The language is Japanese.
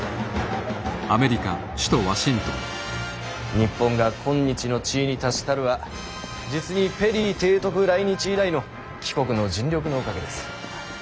日本が今日の地位に達したるは実にペリー提督来日以来の貴国の尽力のおかげです。